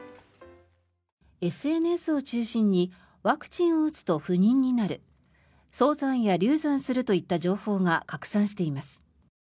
ＳＮＳを中心にワクチンを打つと不妊になる早産や流産するといった情報が拡散しています。